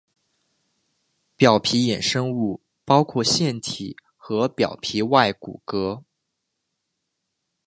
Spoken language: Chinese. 表皮衍生物包括腺体和表皮外骨骼。